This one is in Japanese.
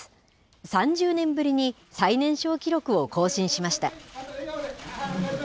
３０年ぶりに最年少記録を更新しました。